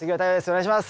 お願いします。